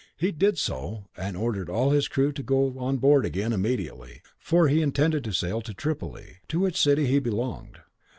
He did so, and ordered all his crew to go on board again immediately, for he intended to sail to Tripoli, to which city he belonged.